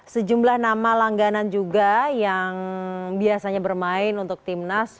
sejumlah nama langganan juga yang biasanya bermain untuk timnas